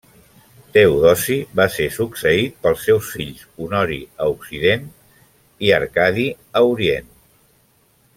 Teodosi va ser succeït pels seus fills Honori a Occident i Arcadi a Orient.